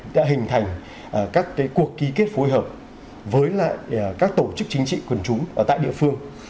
đã hình thành các cuộc ký kết phối hợp với lại các tổ chức chính trị quần chúng tại địa phương